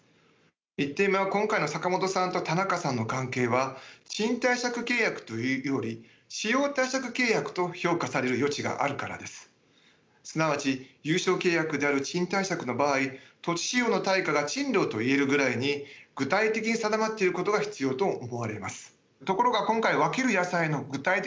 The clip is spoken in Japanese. １点目は今回の坂本さんと田中さんの関係はすなわち有償契約である賃貸借の場合土地使用の対価が賃料といえるぐらいに具体的に定まっていることが必要と思われます。